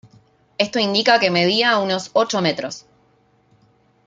Esto indica que medía unos ocho metros.